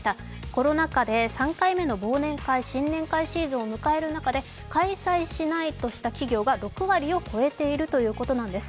コロナ禍で３回目の忘年会・新年会のシーズンを迎える中で、開催しないとした企業が６割を超えているということなんです。